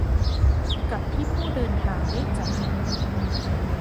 กับที่ผู้เดินทางได้จ่าย